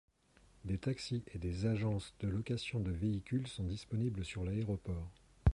Des taxis et des agences de location de véhicules sont disponibles sur l'aéroport.